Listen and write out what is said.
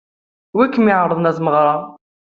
Wi kem-iɛeṛḍen ɣer tmeɣṛa?